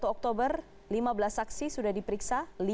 tiga puluh satu oktober lima belas saksi sudah diperiksa